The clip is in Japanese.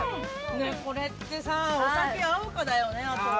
これってさ、お酒合うかだよね、あとは。